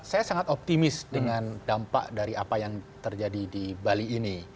saya sangat optimis dengan dampak dari apa yang terjadi di bali ini